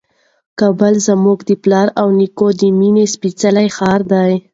کابل زما د پلار او نیکونو د مېنې سپېڅلی ښار دی.